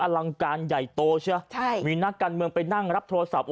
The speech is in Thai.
ลังการใหญ่โตใช่ไหมใช่มีนักการเมืองไปนั่งรับโทรศัพท์